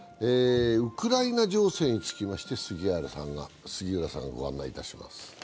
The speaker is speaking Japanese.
ウクライナ情勢につきまして杉浦さんがご案内いたします。